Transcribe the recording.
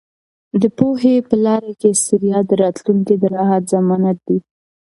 د پوهې په لاره کې ستړیا د راتلونکي د راحت ضمانت دی.